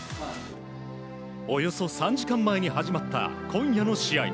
およそ３時間前に始まった今夜の試合。